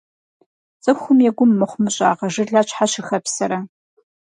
Цӏыхум и гум мыхъумыщӏагъэ жылэ щхьэ щыхэпсэрэ?